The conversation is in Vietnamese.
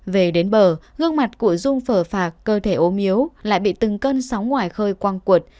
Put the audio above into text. về đến bờ gương mặt của dung phở phạc cơ thể ốm miếu lại bị từng cân sóng ngoài khơi quăng cuột